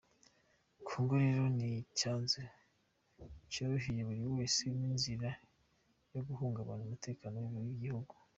Congo rero ni icyanzu cyoroheye buri wese, ni inzira yo guhungabanya umutekano w’igihugu .